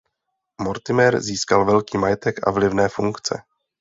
Mortimer získal velký majetek a vlivné funkce.